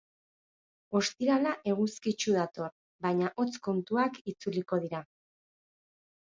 Ostirala eguzkitsu dator, baina hotz kontuak itzuliko dira.